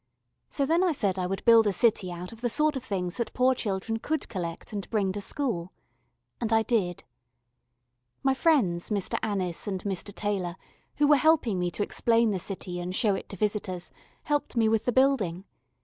So then I said I would build a city out of the sort of things that poor children could collect and bring to school. And I did. My friends Mr. Annis and Mr. Taylor, who were helping me to explain the city and show it to visitors, helped me with the building.